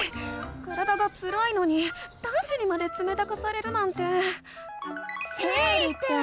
体がつらいのに男子にまでつめたくされるなんて。